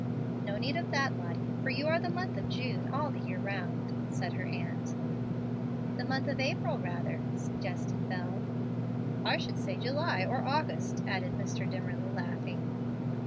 "No need of that, Lottie, for you are the month of June all the year round," said her aunt. "The month of April, rather," suggested Bel. "I should say July or August," added Mr. Dimmerly, laughing.